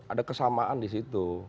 ada kesamaan di situ